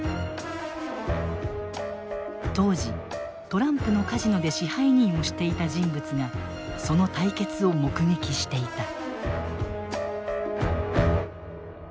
当時トランプのカジノで支配人をしていた人物がその対決を目撃していた。